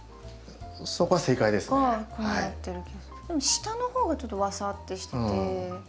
下の方がちょっとワサッてしてて。